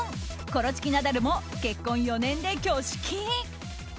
コロチキ、ナダルも結婚４年で挙式。